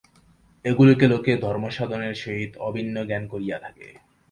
এগুলিকে লোকে ধর্মসাধনের সহিত অভিন্ন জ্ঞান করিয়া থাকে।